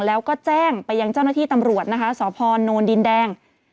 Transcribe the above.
แล้วก็แจ้งไปยังเจ้าหน้าที่ตำรวจนะคะสพนดินแดง